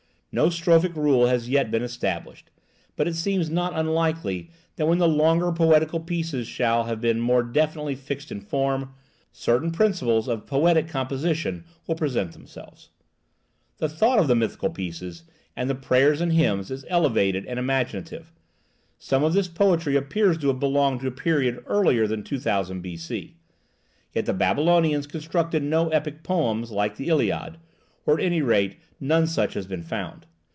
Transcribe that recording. No strophic rule has yet been established; but it seems not unlikely that when the longer poetical pieces shall have been more definitely fixed in form, certain principles of poetical composition will present themselves. The thought of the mythical pieces and the prayers and hymns is elevated and imaginative. Some of this poetry appears to have belonged to a period earlier than 2000 B.C. Yet the Babylonians constructed no epic poem like the (Iliad,) or at any rate none such has yet been found.